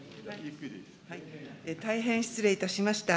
大変失礼いたしました。